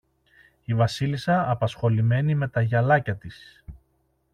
Η Βασίλισσα, απασχολημένη με τα γυαλάκια της